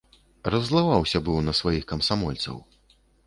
Раззлаваўся быў на сваіх камсамольцаў.